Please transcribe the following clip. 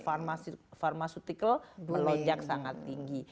pharmaceutical melojak sangat tinggi